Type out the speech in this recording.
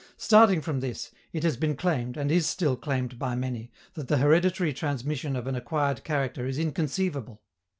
Starting from this, it has been claimed, and is still claimed by many, that the hereditary transmission of an acquired character is inconceivable.